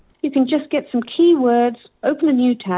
anda bisa mendapatkan beberapa kata kata